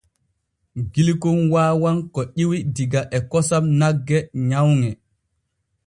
Gilkon waawan ko ƴiwi diga e kosam nagge nyawŋe.